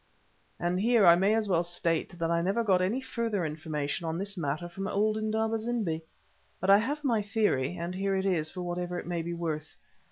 And here I may as well state that I never got any further information on this matter from old Indaba zimbi. But I have my theory, and here it is for whatever it may be worth.